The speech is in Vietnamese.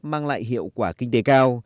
mang lại hiệu quả kinh tế cao